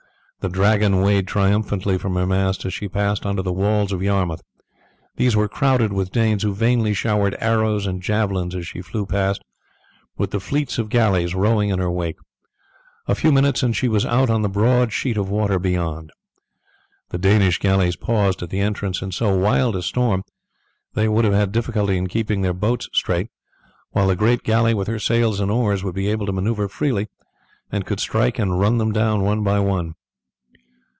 The dragon waved triumphantly from her mast as she passed under the walls of Yarmouth. These were crowded with Danes, who vainly showered arrows and javelins as she flew past, with the fleets of galleys rowing in her wake. A few minutes and she was out on the broad sheet of water beyond. The Danish galleys paused at the entrance. In so wild a storm they would have had difficulty in keeping their boats straight, while the great galley with her sails and oars would be able to maneuver freely, and could strike and run them down one by one.